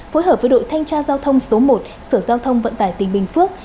phối hợp với đội thanh tra giao thông số một sở giao thông vận tải tỉnh bình phước